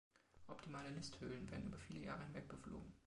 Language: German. Optimale Nisthöhlen werden über viele Jahre hinweg beflogen.